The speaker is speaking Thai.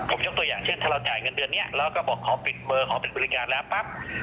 ผมยกตัวอย่างเช่นถ้าเราจ่ายเงินเดือนนี้แล้วก็บอกขอปิดเบอร์ขอปิดบริการแล้วปั๊บ